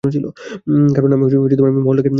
কারণ আমি মহলটাকে ভালোবাসতাম।